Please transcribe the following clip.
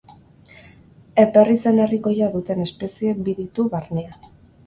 Eper izen herrikoia duten espezie bi ditu barnean.